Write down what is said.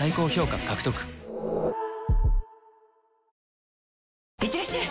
ハローいってらっしゃい！